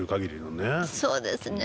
そうですね。